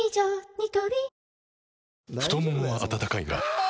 ニトリ太ももは温かいがあ！